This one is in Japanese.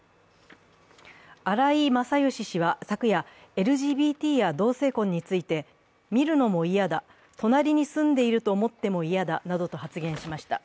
荒井勝喜氏は昨夜、ＬＧＢＴや同性婚について、見るのも嫌だ、隣に住んでいると思っても嫌だなどと発言しました。